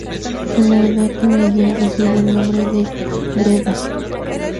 En la Edad Media reciben el nombre de "grebas".